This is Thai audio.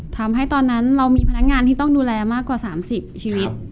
ทำให้ตอนนั้นเรามีพนักงานที่ต้องดูแลมากกว่า๓๐ชีวิต